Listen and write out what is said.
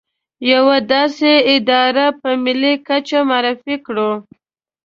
يوه داسې اداره په ملي کچه معرفي کړو.